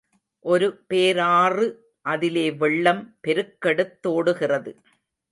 ஒரு பேராறு அதிலே வெள்ளம் பெருக்கெடுத்தோடுகிறது.